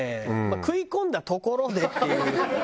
食い込んだところでっていう。